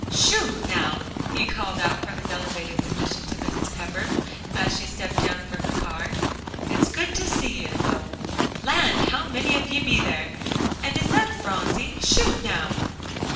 "Sho, now!" he called out from his elevated position to Mrs. Pepper, as she stepped down from the car, "it's good to see you, though. Land! how many of ye be there? And is that Phronsie? Sho, now!"